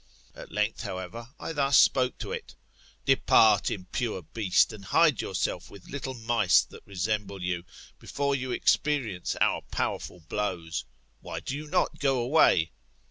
At length, however, I thus spoke to it : Depart, impure beast, and hide yourself with little mice, that resemble you, before you experience our powerful blows. Why do you not go away?